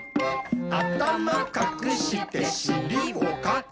「あたまかくしてしりもかく！」